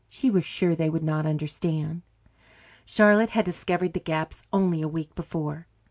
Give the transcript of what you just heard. She was sure they would not understand. Charlotte had discovered the gaps only a week before.